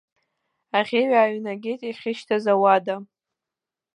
Аӷьеҩ ааҩнгеит иахьышьҭаз ауада.